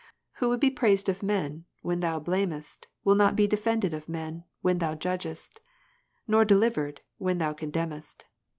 Who would be praised of men, when Thou blamest, will not be defended of men, when Thou judgest ; nor delivered, when Thou condemnest.